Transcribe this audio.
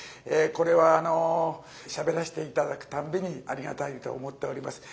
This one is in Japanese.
これはしゃべらせて頂くたんびにありがたいと思っております。